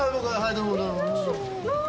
どうも。